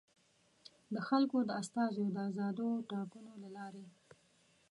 د خلکو د استازیو د ازادو ټاکنو له لارې.